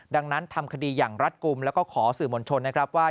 ดังนั้นทำคดีอย่างรัฐกลุ่มแล้วก็ขอสื่อมวลชนนะครับว่า